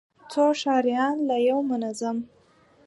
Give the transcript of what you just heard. څو ښاريان له يو منظم،